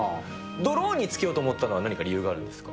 ドローンにつけようと思ったのには、何か理由があるんですか。